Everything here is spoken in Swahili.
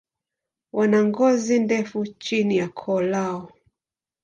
Wana ngozi ndefu chini ya koo lao.